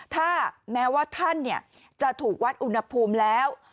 ถ้าแม้ว่าท่านจะถูกวัดอุณหภูมิแล้ว